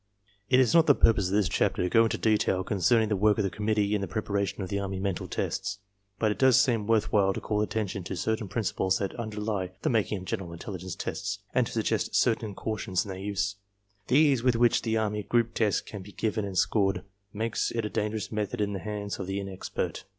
It is not the purpose of this chapter to go into detail concern ing the work of the conmiittee in the preparation of the army mental tests. But it does seem worth while to call attention to certain principles that underlie the making of general intelli gence tests and to suggest certain cautions in their use. The ease with which the army group test can be given and scored makes it a dangerous method in the hands of the inexpert.